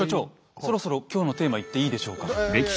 そろそろ今日のテーマいっていいでしょうか？